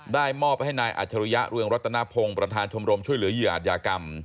มอบให้นายอัจฉริยะเรืองรัตนพงศ์ประธานชมรมช่วยเหลือเหยื่ออาจยากรรม